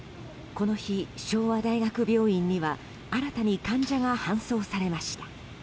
この日、昭和大学病院には新たに患者が搬送されました。